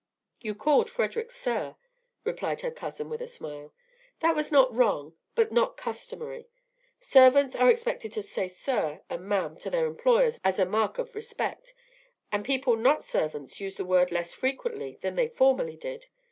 "You called Frederic 'sir,'" replied her cousin, with a smile. "That was not wrong, but not customary. Servants are expected to say 'sir' and 'ma'am' to their employers as a mark of respect; and people not servants use the word less frequently than they formerly did.